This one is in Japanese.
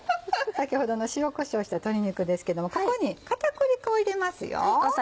先ほどの塩こしょうした鶏肉ですけどもここに片栗粉を入れますよ。